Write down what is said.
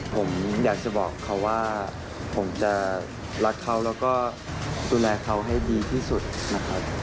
ผมอยากจะบอกเขาว่าผมจะรักเขาแล้วก็ดูแลเขาให้ดีที่สุดนะครับ